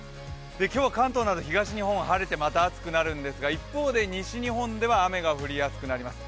今日は関東など東日本は晴れてまた暑くなるんですが、一方で西日本では雨が降りやすくなります。